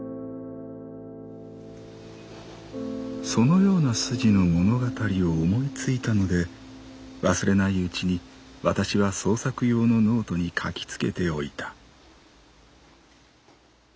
「そのような筋の物語を思いついたので忘れないうちにわたしは創作用のノートに書きつけておいた」。